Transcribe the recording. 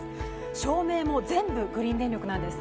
照明も全部グリーン電力なんです。